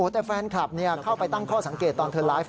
แต่แฟนคลับเข้าไปตั้งข้อสังเกตตอนเธอไลฟ์